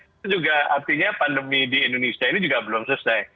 itu juga artinya pandemi di indonesia ini juga belum selesai